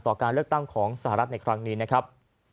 การเลือกตั้งของสหรัฐในครั้งนี้นะครับ